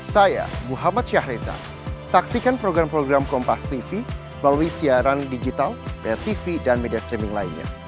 saya muhammad syahriza saksikan program program kompas tv melalui siaran digital bayar tv dan media streaming lainnya